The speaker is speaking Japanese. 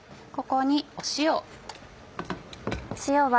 ここに塩。